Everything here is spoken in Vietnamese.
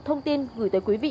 thông tin gửi tới quý vị